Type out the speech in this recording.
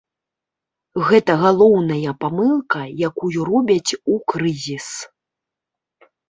Гэта галоўная памылка, якую робяць у крызіс.